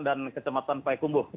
dan kecamatan payakumbuh